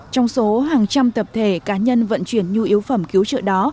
trong số hàng trăm tập thể cá nhân vận chuyển nhu yếu phẩm cứu trợ đó